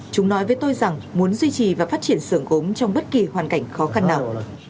chúng nói với tôi rằng muốn duy trì và phát triển sưởng gốm trong bất kỳ hoàn cảnh khó khăn nào